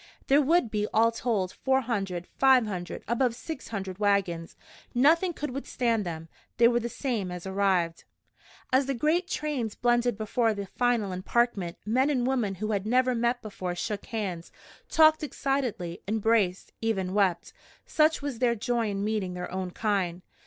There would be, all told, four hundred five hundred above six hundred wagons. Nothing could withstand them. They were the same as arrived! As the great trains blended before the final emparkment men and women who had never met before shook hands, talked excitedly, embraced, even wept, such was their joy in meeting their own kind.